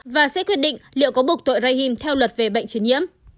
và sẽ quyết định liệu có buộc tội rahim theo luật về bệnh truyền nhiễm